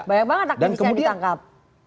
banyak banget tak bisa ditangkap